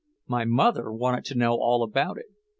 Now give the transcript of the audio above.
My mother wanted to know all about it.